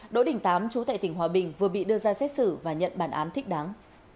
đỗ đình tám chú tại tỉnh hòa bình vừa bị đưa ra xét xử và nhận bản án thích đáng